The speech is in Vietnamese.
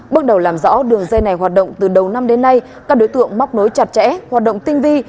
bước đầu làm rõ đường dây này hoạt động từ đầu năm đến nay các đối tượng móc nối chặt chẽ hoạt động tinh vi